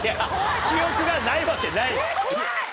記憶がないわけない！